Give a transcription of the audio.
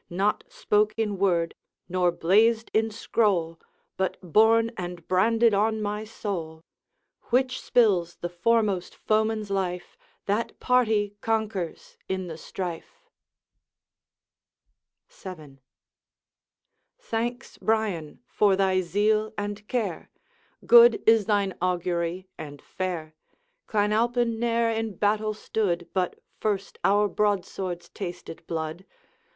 Not spoke in word, nor blazed in scroll, But borne and branded on my soul: WHICH SPILLS THE FOREMOST FOEMAN'S LIFE, THAT PARTY CONQUERS IN THE STRIFE.' VII. 'Thanks, Brian, for thy zeal and care! Good is thine augury, and fair. Clan Alpine ne'er in battle stood But first our broadswords tasted blood.